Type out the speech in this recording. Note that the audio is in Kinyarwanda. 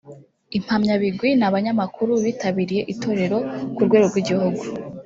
Impamyabigwi ni abanyamakuru bitabiriye itorero ku rwego rw’igihugu